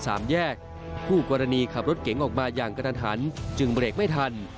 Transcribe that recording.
สามแยกคู่กรณีขับรถเก๋งออกมาอย่างกระทันหันจึงเบรกไม่ทัน